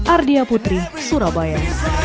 ardia putri surabaya